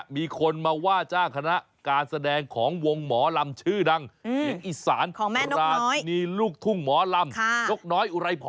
มีคนมาว่าจ้างคณะการแสดงของวงหมอลำชื่อดังเสียงอีสานราชินีลูกทุ่งหมอลำนกน้อยอุไรพร